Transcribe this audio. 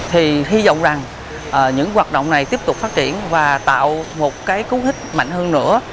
thì hy vọng rằng những hoạt động này tiếp tục phát triển và tạo một cái cú hích mạnh hơn nữa